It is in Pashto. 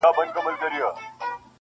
په لښکر د مریدانو کي روان وو -